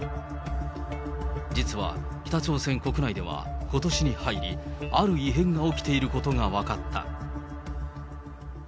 実は北朝鮮国内では、ことしに入り、ある異変が起きていることが分かった。